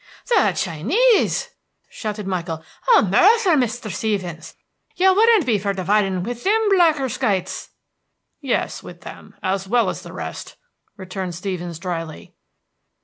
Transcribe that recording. "The Chinese!" shouted Michael. "Oh, murther, Misther Stevens! Ye wouldn't be fur dividin' with thim blatherskites!" "Yes, with them, as well as the rest," returned Stevens, dryly.